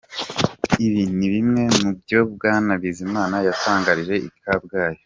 Ibi ni bimwe mu byo Bwana Bizimana yatangarije i Kabgayi.